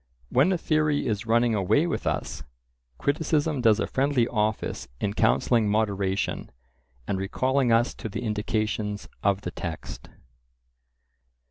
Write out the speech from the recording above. When a theory is running away with us, criticism does a friendly office in counselling moderation, and recalling us to the indications of the text.